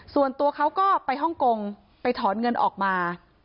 ส่วนตัวเขาก็ไปฮ่องกงไปถอนเงินออกมา